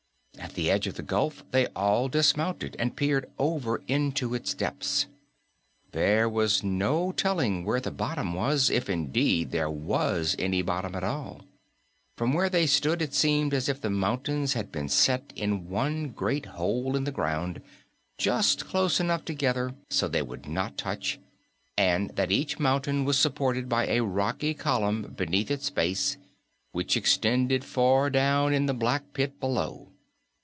At the edge of the gulf they all dismounted and peered over into its depths. There was no telling where the bottom was, if indeed there was any bottom at all. From where they stood it seemed as if the mountains had been set in one great hole in the ground, just close enough together so they would not touch, and that each mountain was supported by a rocky column beneath its base which extended far down in the black pit below.